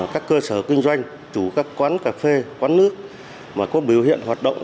các cơ sở kinh doanh chủ các quán cà phê quán nước mà có biểu hiện hoạt động